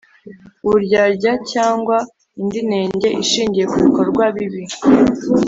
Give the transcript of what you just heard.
uburyarya cyangwa indi nenge ishingiye ku bikorwa bibi